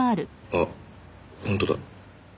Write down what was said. あ本当だ。